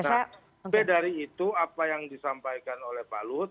tapi dari itu apa yang disampaikan oleh pak luhut